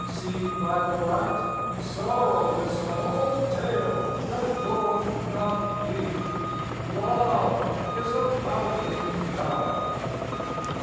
Seen by thy light Sorrow is some old tale that goeth not deep; Love is a pouting child.